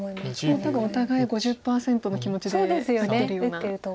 もう多分お互い５０％の気持ちで打ってるような。